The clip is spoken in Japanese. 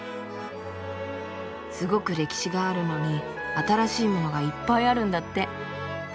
すごく歴史があるのに新しいものがいっぱいあるんだって。